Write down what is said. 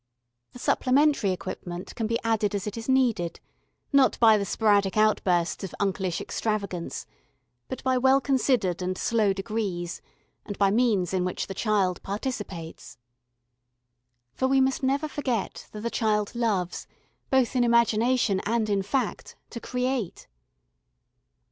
The supplementary equipment can be added as it is needed, not by the sporadic outbursts of unclish extravagance, but by well considered and slow degrees, and by means in which the child participates. For we must never forget that the child loves, both in imagination and in fact, to create.